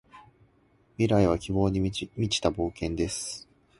未来は希望に満ちた冒険です。